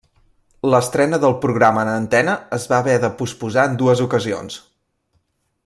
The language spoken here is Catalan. L'estrena del programa en antena es va haver de posposar en dues ocasions.